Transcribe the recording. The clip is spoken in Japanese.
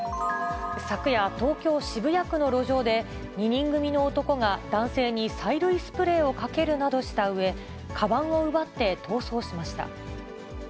昨夜、東京・渋谷区の路上で、２人組の男が男性に催涙スプレーをかけるなどしたうえ、かばんを奪って逃走しました。